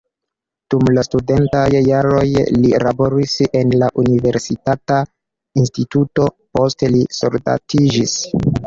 Dum la studentaj jaroj li laboris en la universitata instituto, poste li soldatiĝis.